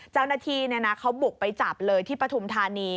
เจ้าหน้าที่เขาบุกไปจับเลยที่ปฐุมธานี